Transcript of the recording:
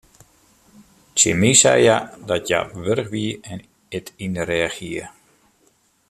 Tsjin my sei hja dat hja wurch wie en it yn de rêch hie.